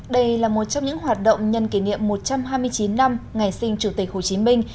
đây là một trong những hoạt động nhân kỷ niệm một trăm hai mươi chín năm ngày sinh chủ tịch hồ chí minh